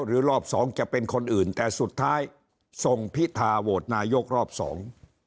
รอบสองจะเป็นคนอื่นแต่สุดท้ายทรงพิธาโหวตนายกรอบสอง